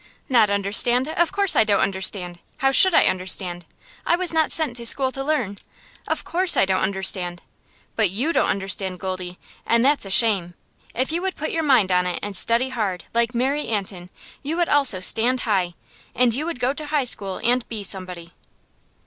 "Not understand? Of course I don't understand. How should I understand? I was not sent to school to learn. Of course I don't understand. But you don't understand, Goldie, and that's a shame. If you would put your mind on it, and study hard, like Mary Antin, you would also stand high, and you would go to high school, and be somebody."